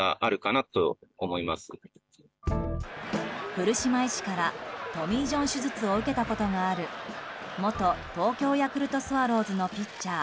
古島医師からトミー・ジョン手術を受けたことがある元東京ヤクルトスワローズのピッチャー